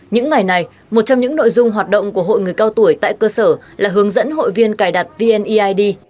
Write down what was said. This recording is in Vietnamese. những ngày này một trong những nội dung hoạt động của hội người cao tuổi tại cơ sở là hướng dẫn hội viên cài đặt vneid